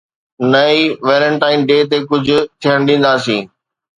نه ئي Valentine Day تي ڪجهه ٿيڻ ڏينداسين.